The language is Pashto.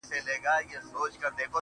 ستا د تصور تصوير كي بيا يوه اوونۍ جگړه